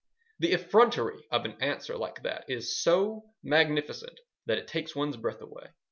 The effrontery of an answer like that is so magnificent that it takes one's breath away.